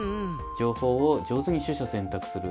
情報を上手に取捨選択する。